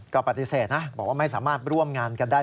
ก็ปฏิเสธนะบอกว่าไม่สามารถร่วมงานกันได้